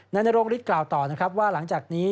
นานโรงฤทธิ์กล่าวต่อว่าหลังจากนี้